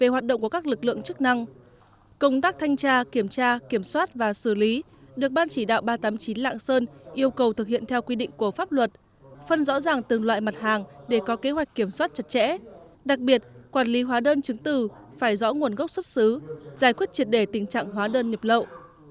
về hoạt động của các lực lượng chức năng công tác thanh tra kiểm tra kiểm soát và xử lý được ban chỉ đạo ba trăm tám mươi chín lạng sơn yêu cầu thực hiện theo quy định của pháp luật phân rõ ràng từng loại mặt hàng để có kế hoạch kiểm soát chặt chẽ đặc biệt quản lý hóa đơn chứng tử phải rõ nguồn gốc xuất xứ giải quyết triệt đề tình trạng hóa đơn nhập lậu